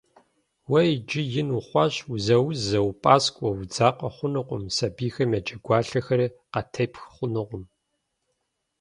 Уэ иджы ин ухъуащ, узаузэ, упӏаскӏуэ, удзакъэ хъунукъым, сабийхэм я джэгуалъэхэри къатепх хъунукъым.